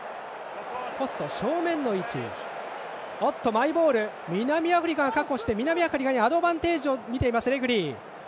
マイボール南アフリカが確保して南アフリカにアドバンテージをみている、レフリー。